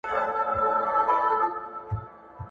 اهل الذمه د کال په سر کښي د امنینت په بدل کښي جزیه ورکوي.